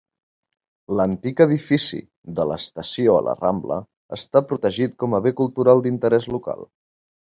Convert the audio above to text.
L'antic edifici de l'estació a la Rambla està protegit com a bé cultural d'interès local.